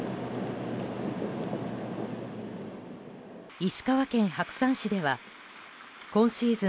石川県白山市では今シーズン